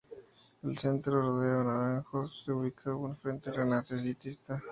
Al centro, rodeada de naranjos se ubica una fuente renacentista.